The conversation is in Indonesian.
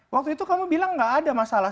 waktu itu kamu bilang nggak ada masalah